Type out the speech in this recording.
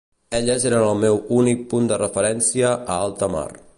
Elles eren el meu únic punt de referència, a alta mar.